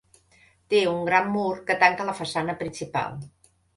Té un gran mur que tanca la façana principal.